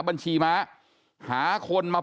บัญชีม้าหาคนมา